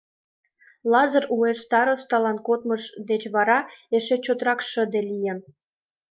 Лазыр уэш старостылан кодмыж деч вара эше чотрак шыде лийын.